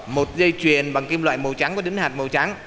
một dây chuyền bằng kim loại màu trắng và đính hạt màu trắng